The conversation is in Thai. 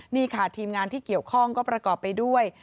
นี่ค่ะทีมงานที่เกี่ยวข้องก็ประกอบไปด้วย